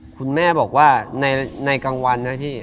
คุณแม่บอกว่าในกลางวันนะพี่